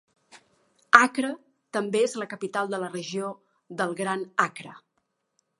Accra també és la capital de la Regió del Gran Accra.